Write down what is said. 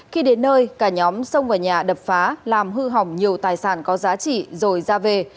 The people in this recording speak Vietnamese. khi đến nơi cả nhóm xông vào nhà đập phá làm hư hỏng nhiều tài sản có giá trị rồi ra về